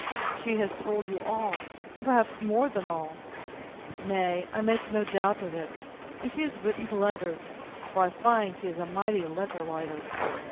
She has told you all, and perhaps more than all; nay, I make no doubt of it; and she has written letters (for I find she is a mighty letter writer!)